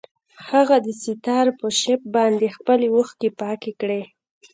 هغه د دستار په شف باندې خپلې اوښکې پاکې کړې.